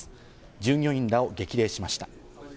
従業員らを激励しました。